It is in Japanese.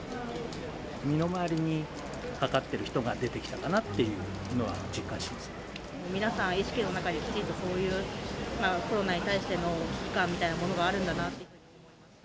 身の回りにかかっている人が出てきたかなっていうのは実感し皆さん、意識の中できちんとそういう危機感が、コロナに対しての危機感みたいなものがあるんだなと。